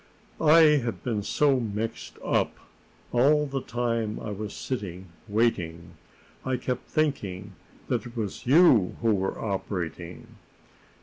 "I have been so mixed up. All the time I was sitting waiting, I kept thinking that it was you who were operating!